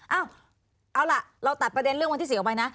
เอาล่ะเราตัดประเด็นเรื่องวันที่๔ออกไปนะ